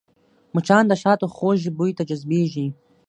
مچان د شاتو خوږ بوی ته جذبېږي